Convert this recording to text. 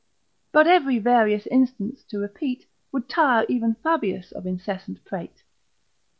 ——— But, every various instance to repeat, Would tire even Fabius of incessant prate.